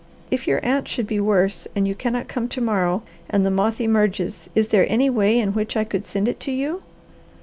If your aunt should be worse and you cannot come to morrow and the moth emerges, is there any way in which I could send it to you?"